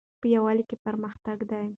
په یووالي کې پرمختګ ده